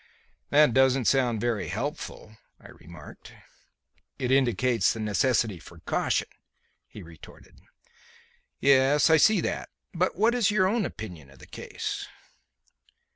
"That doesn't sound very helpful," I remarked. "It indicates the necessity for caution," he retorted. "Yes, I see that. But what is your own opinion of the case?"